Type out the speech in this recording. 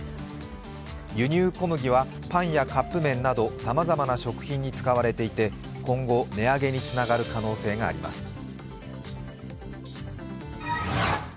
輸入小麦はパンやカップ麺などさまざまな食品に使われていて今後、値上げにつながる可能性があります。